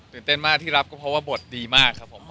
เต้นมากที่รับก็เพราะว่าบทดีมากครับผม